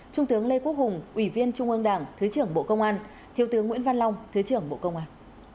trung tướng lê quốc hùng ủy viên trung ương đảng thứ trưởng bộ công an thiếu tướng nguyễn văn long thứ trưởng bộ công an